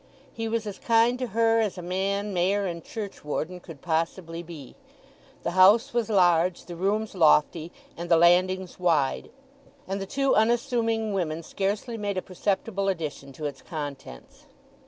He was as kind to her as a man, mayor, and churchwarden could possibly be. The house was large, the rooms lofty, and the landings wide; and the two unassuming women scarcely made a perceptible addition to its contents.